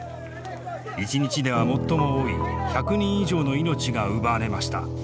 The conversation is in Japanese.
１日では最も多い１００人以上の命が奪われました。